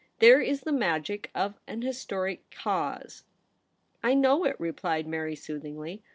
There is the magic of an historic cause.' * I know it/ replied Mary soothingly.